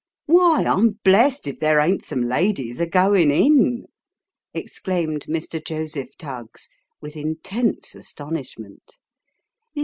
" Why, I'm blessed if there ain't some ladies a going in !" exclaimed Mr. Joseph Tuggs, with intense astonishment.